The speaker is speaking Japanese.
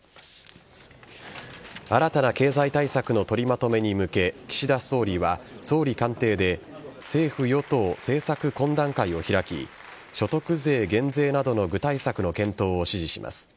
新たな経済対策の取りまとめに向け岸田総理は、総理官邸で政府与党政策懇談会を開き所得税減税などの具体策の検討を指示します。